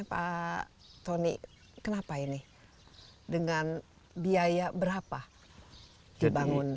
pak tony kenapa ini dengan biaya berapa dibangun